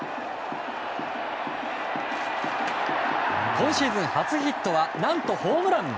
今シーズン初ヒットは何とホームラン！